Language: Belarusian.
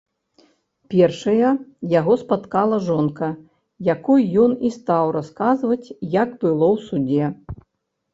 Першая яго спаткала жонка, якой ён і стаў расказваць, як было ў судзе.